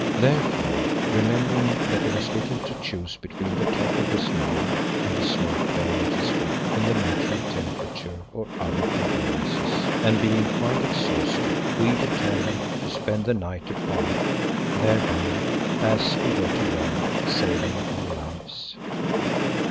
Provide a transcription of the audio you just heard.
Therefore, remembering that there was little to choose between the top of this knoll and the snow plain at its foot in the matter of temperature or other conveniences, and being quite exhausted, we determined to spend the night upon it, thereby, as we were to learn, saving our lives.